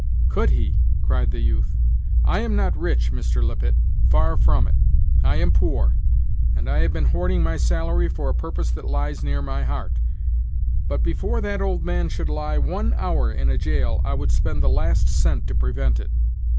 "Could he!" cried the youth. "I am not rich, Mr. Lippet; far from it I am poor, and I have been hoarding my salary for a purpose that lies near my heart; but, Before that old man should lie one hour in a jail, I would spend the last cent to prevent it.